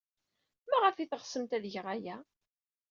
Maɣef ay teɣsemt ad geɣ aya?